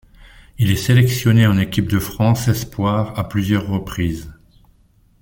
Il est sélectionné en équipe de France espoirs à plusieurs reprises.